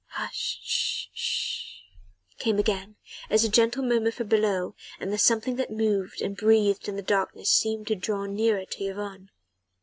"Hush sh sh" came again as a gentle murmur from below and the something that moved and breathed in the darkness seemed to draw nearer to Yvonne.